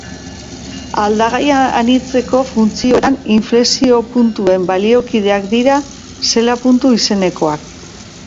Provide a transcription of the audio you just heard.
Aldagai anitzeko funtzioetan inflexio-puntuen baliokideak dira zela-puntu izenekoak.